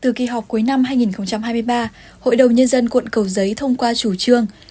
từ kỳ họp cuối năm hai nghìn hai mươi ba hội đồng nhân dân quận cầu giấy thông qua chủ trương